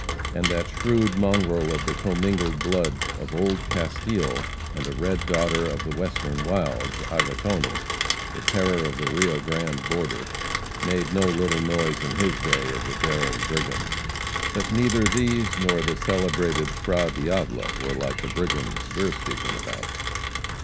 And that shrewd mongrel of the commingled blood of old Castile and a red daughter of the western wilds, Agatone, the terror of the Rio Grande border, made no little noise in his day as a daring brigand. But neither these nor the celebrated Fra Diavola were like the brigands we are speaking about.